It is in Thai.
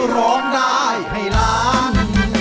ร้องได้ให้ล้าน